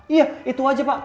iya itu aja pak